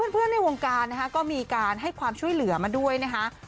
เพื่อนในวงการก็มีการให้ความช่วยเหลือมาด้วยนะคะ